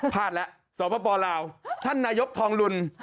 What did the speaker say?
พลาดแล้วสปลาวท่านนายกทองลุน